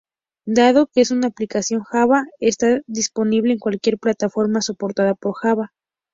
Dado que es una aplicación Java, está disponible en cualquier plataforma soportada por Java.